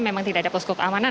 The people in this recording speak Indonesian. memang tidak ada posko keamanan